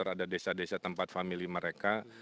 ada desa desa tempat family mereka